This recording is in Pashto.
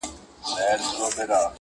په حيرت حيرت پاچا ځان ته كتله !.